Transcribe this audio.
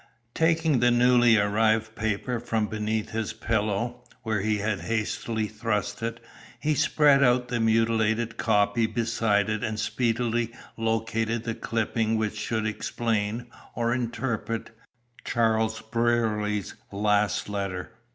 Taking the newly arrived paper from beneath his pillow, where he had hastily thrust it, he spread out the mutilated copy beside it and speedily located the clipping which should explain, or interpret, Charles Brierly's last letter.